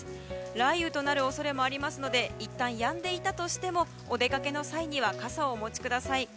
雷雨となる恐れもありますのでいったんやんでいたとしてもお出かけの際には傘をお持ちください。